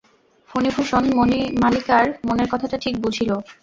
ফণিভূষণ মণিমালিকার মনের কথাটা ঠিক বুঝিল।